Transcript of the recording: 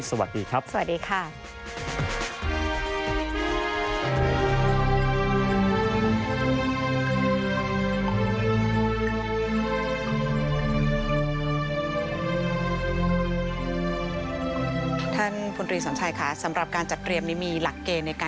สวัสดีครับสวัสดีค่ะ